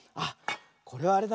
これはあれだね。